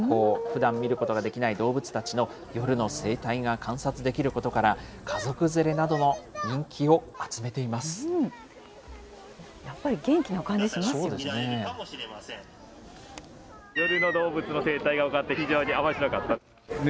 ふだん見ることができない動物たちの夜の生態が観察できることから、家族連れなどの人気を集めてやっぱり元気な感じしますよ。